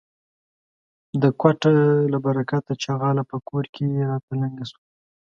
د کوټه له برکته ،چغاله په کور کې راته لنگه سوه.